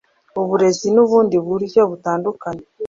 uburezi nubundi buryo butandukanye